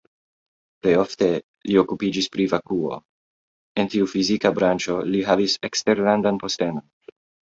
Plej ofte li okupiĝis pri vakuo, en tiu fizika branĉo li havis eksterlandan postenon.